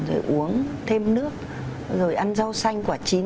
rồi uống thêm nước rồi ăn rau xanh quả chín